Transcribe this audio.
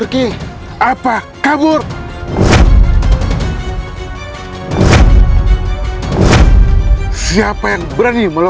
kita harus serah emya